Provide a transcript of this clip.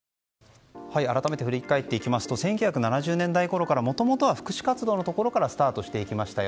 改めて、振り返っていきますと１９７０年代ごろからもともとは福祉活動のところからスタートしていきました。